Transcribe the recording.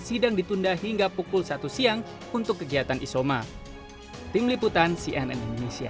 sidang ditunda hingga pukul satu siang untuk kegiatan isoma tim liputan cnn indonesia